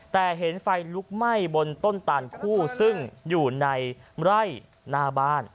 แต่เห็นไฟลุกไหม้บนต้นตานคู่ซึ่งอยู่ในไร่หน้าบ้าน